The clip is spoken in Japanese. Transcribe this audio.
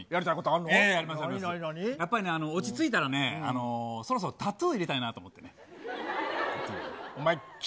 やっぱりね、落ち着いたらね、そろそろタトゥー入れたいなと思ってね、タトゥー。